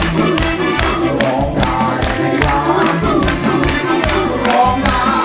ร้องมาให้แหลง